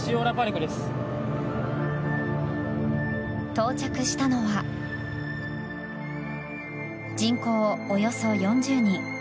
到着したのは人口およそ４０人